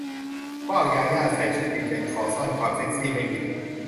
ว้าว ญาญ่า ใส่ชุดปิดยันคอ ซ่อนความเซ็กซี่ไม่มิด